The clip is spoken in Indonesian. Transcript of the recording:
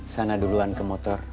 sana duluan ke motor